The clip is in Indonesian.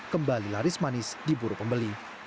kembali laris manis di buru pembeli